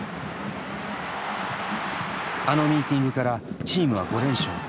あのミーティングからチームは５連勝。